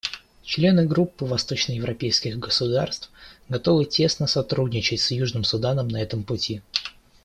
Члены Группы восточноевропейских государств готовы тесно сотрудничать с Южным Суданом на этом пути.